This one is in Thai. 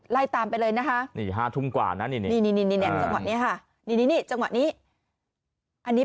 ห้าทุ่มหวานนะนี่จังหวะนี้